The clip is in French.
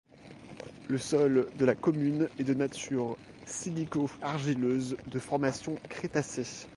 Le sol de la commune est de nature silico-argileuse de formation crétacé.